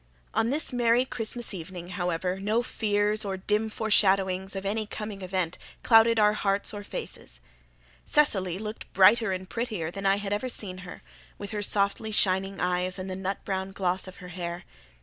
On this merry Christmas evening, however, no fears or dim foreshadowings of any coming event clouded our hearts or faces. Cecily looked brighter and prettier than I had ever seen her, with her softly shining eyes and the nut brown gloss of her hair.